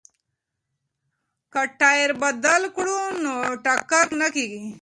که ټایر بدل کړو نو ټکر نه کیږي.